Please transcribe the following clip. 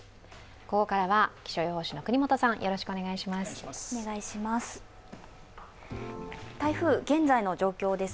ここからは気象予報士の國本さん、よろしくお願いします。